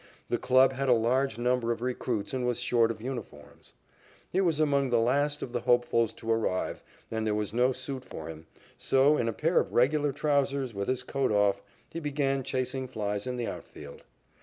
The club had a large number of recruits and was short of uniforms. He was among the last of the hopefuls to arrive and there was no suit for him, so, in a pair of regular trousers with his coat off, he began chasing flies in the outfield.